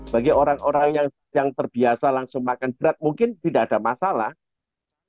bagi orang orang yang terbiasa langsung makan berat mungkin tidak ada masalah